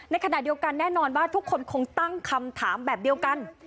ในขณะเดียวกันแน่นอนว่าทุกคนคงตั้งคำถามแบบเดียวกัน